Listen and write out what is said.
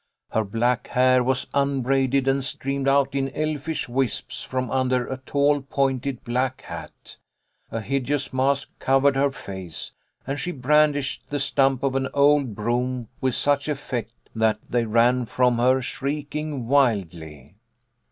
Her black hair was unbraided, and streamed out in elfish wisps from under a tall pointed black hat. A hideous mask covered her face, and she brandished the stump of an old broom with such effect that they ran from her, shrieking wildly.